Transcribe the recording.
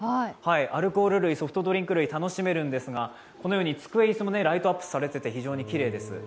アルコール類、ソフトドリンク類、楽しめるんですがこのように机、椅子もライトアップされて非常にきれいです。